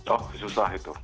oh susah itu